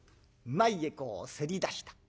前へこうせり出した。